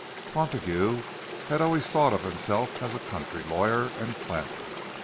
Montague had always thought of himself as a country lawyer and planter.